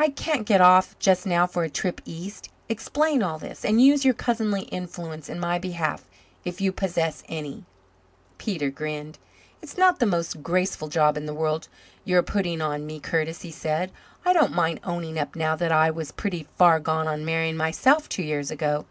I can't get off just now for a trip east. Explain all this, and use your cousinly influence in my behalf if you possess any." Peter grinned. "It's not the most graceful job in the world you are putting on me, Curtis," he said. "I don't mind owning up now that I was pretty far gone on Marian myself two years ago.